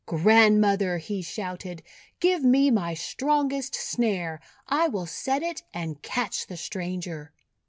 14 Grandmother," he shouted, "give me my strongest snare. I will set it and catch the stranger."